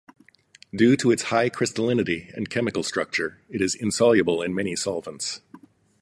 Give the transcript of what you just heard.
Due to its high crystallinity and chemical structure, it is insoluble in many solvents.